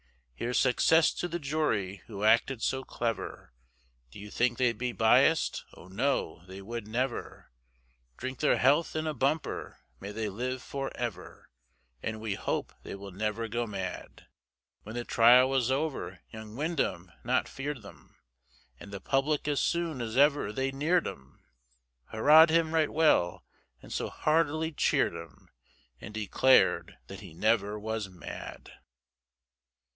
Here's success to the jury who acted so clever, Do you think they'd be bias'd, oh no, they would never, Drink their health in a bumper, may they live for ever, And we hope they will never go mad. When the trial was over, young Windham not fear'd them, And the public as soon as ever they near'd him, Hurrah'd him right well, and so heartily cheer'd him, And declar'd that he never was mad.